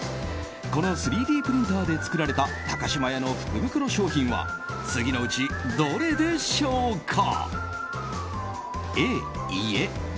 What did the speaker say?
この３Ｄプリンターで作られた高島屋の福袋商品は次のうちどれでしょうか。